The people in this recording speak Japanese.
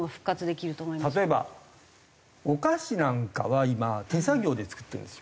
例えばお菓子なんかは今手作業で作ってるんですよ